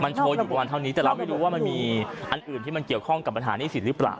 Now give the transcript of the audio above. โชว์อยู่ประมาณเท่านี้แต่เราไม่รู้ว่ามันมีอันอื่นที่มันเกี่ยวข้องกับปัญหานี่สินหรือเปล่า